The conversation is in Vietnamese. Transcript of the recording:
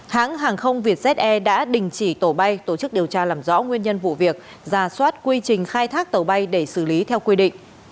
hãng hàng không vietjet air đã đình chỉ tổ bay tổ chức điều tra làm rõ nguyên nhân vụ việc giả soát quy trình khai thác tàu bay để xử lý theo quy định